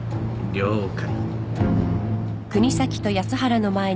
了解。